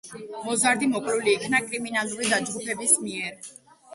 მოზარდი მოკლული იქნება კრიმინალური დაჯგუფების მიერ.